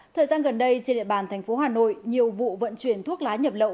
thời gian gần đây trên địa bàn tp hà nội nhiều vụ vận chuyển thuốc lá nhập lậu